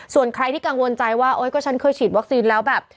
ส่วนใครที่กังวลใจว่าก็ฉันเคยฉีดวัคซีนแล้วแบบ